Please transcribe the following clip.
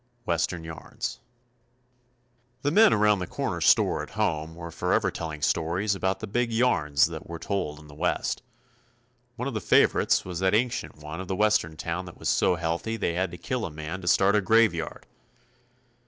Western Yarns The men around the corner store at home were forever telling stories about the big yarns that Were told in the West. One of the favorites was that ancient one of the Western town that was so healthy they had to kill a man to start a graveyard.